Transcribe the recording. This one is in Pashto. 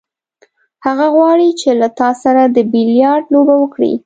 هغه غواړي چې له تا سره د بیلیارډ لوبه وکړي.